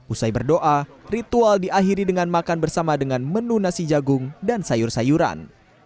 usai berdoa ritual diakhiri dengan makan bersama dengan menu nasi jagung dan sayur sayuran